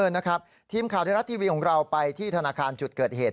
นะครับทีมข่าวไทยรัฐทีวีของเราไปที่ธนาคารจุดเกิดเหตุ